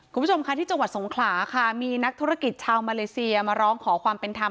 คุณผู้ชมค่ะที่จังหวัดสงขลาค่ะมีนักธุรกิจชาวมาเลเซียมาร้องขอความเป็นธรรม